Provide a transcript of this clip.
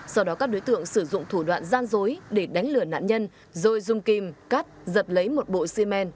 sau đó các đối tượng sử dụng thủ đoạn gian dối để đánh lửa nạn nhân rồi dùng kim cắt giật lấy một bộ xi men